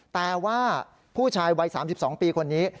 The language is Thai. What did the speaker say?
แต่ว่าผู้ชายวัย๓๒ปีคนนี้